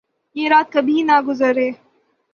یہ رات کبھی نہ گزرے